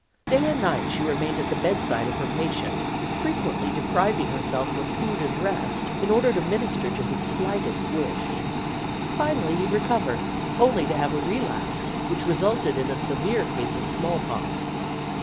Day and night she remained at the bedside of her patient, frequently depriving herself of food and rest in order to minister to his slightest wish. Finally he recovered, only to have a relapse, which resulted in a severe case of smallpox.